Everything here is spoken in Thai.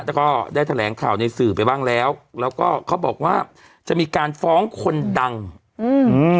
แล้วก็ได้แถลงข่าวในสื่อไปบ้างแล้วแล้วก็เขาบอกว่าจะมีการฟ้องคนดังอืม